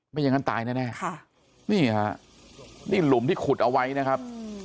ไม่อย่างนั้นตายแน่ค่ะนี่ฮะนี่หลุมที่ขุดเอาไว้นะครับ